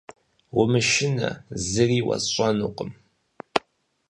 Умышынэ, зыри уэсщӏэнукъым.